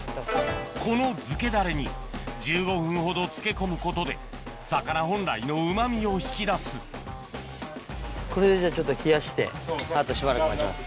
この漬けダレに１５分ほど漬け込むことで魚本来のうまみを引き出すこれでじゃあちょっと冷やしてあとしばらく待ちます。